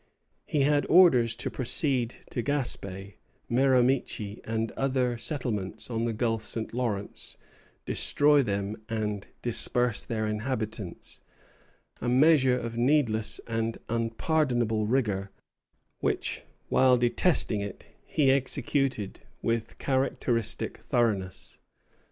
He had orders to proceed to Gaspé, Miramichi, and other settlements on the Gulf of St. Lawrence, destroy them, and disperse their inhabitants; a measure of needless and unpardonable rigor, which, while detesting it, he executed with characteristic thoroughness.